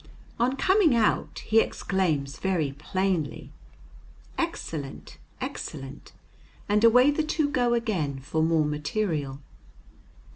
On coming out he exclaims very plainly, "Excellent! excellent!" and away the two go again for more material.